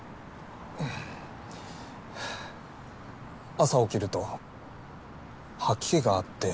朝起きると吐き気があって。